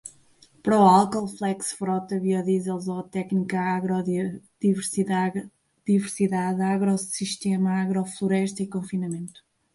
pró-álcool, flex, frota, biodiesel, zootecnia, agrobiodiversidade, agroecossistema, agrofloresta, confinamento